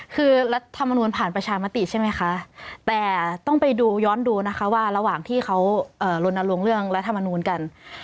คือรัฐมนูลผ่านประชามติใช่ไหมคะแต่ต้องไปดูย้อนดูนะคะว่าระหว่างที่เขาลนลงเรื่องรัฐมนูลกัน